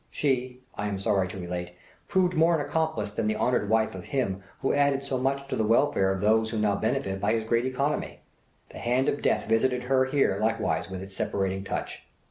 She, I am sorry to relate, proved more an accomplice than the honoured wife of him who added so much to the welfare of those who now benefit by his great economy. The hand of death visited her here likewise with its separating touch.